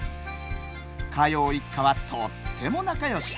嘉陽一家は、とっても仲よし！